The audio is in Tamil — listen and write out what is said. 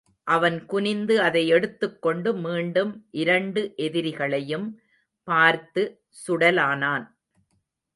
அவன் குனிந்து அதை எடுத்துக் கொண்டு மீண்டும் இரண்டு எதிரிகளையும் பார்த்து சுடலானான்.